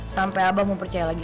sampai abah mau percaya lagi